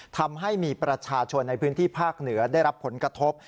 ทำให้มีประชาชนในพื้นที่ภาคเหนือได้รับผลกระทบ